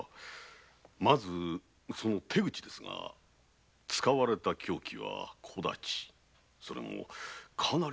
まずその手口ですが使われた凶器は小太刀それもかなりの使い手とか。